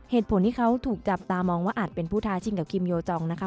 เหตุผลที่เขาถูกจับตามองว่าอาจเป็นผู้ท้าชิงกับคิมโยจองนะคะ